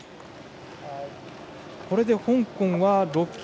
これで香港は６球